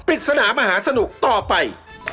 ปริศนามหาสนุกต่อไป